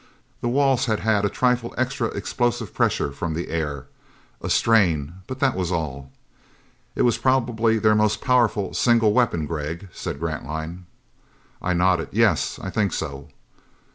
The walls had had a trifle extra explosive pressure from the air. A strain but that was all. "It's probably their most powerful single weapon, Gregg," said Grantline. I nodded, "Yes, I think so."